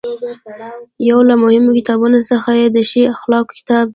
یو له مهمو کتابونو څخه یې د ښې اخلاقو کتاب دی.